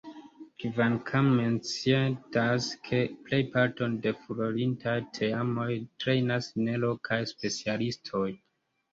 Kvankam menciendas, ke plejparton de furorintaj teamoj trejnas ne lokaj specialistoj.